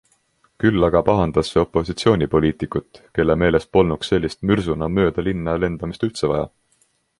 Küll aga pahandas see opositsioonipoliitikut, kelle meelest polnuks sellist mürsuna mööda linna lendamist üldse vaja.